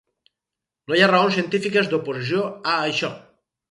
No hi ha raons científiques d’oposició a això.